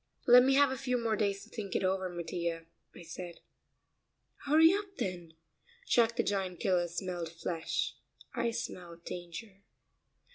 "Let me have a few more days to think it over, Mattia," I said. "Hurry up, then. Jack the Giant Killer smelled flesh I smell danger."